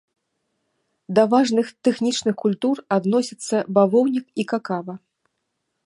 Да важных тэхнічных культур адносяцца бавоўнік і какава.